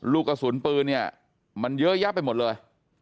ลูกกระสุนปืนเนี่ยมันเยอะแยะไปหมดเลย